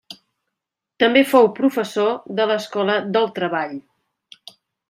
També fou professor de l'Escola del Treball.